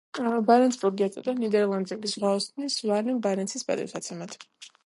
ბარენცბურგი ეწოდა ნიდერლანდელი ზღვაოსნის ვილემ ბარენცის პატივსაცემად.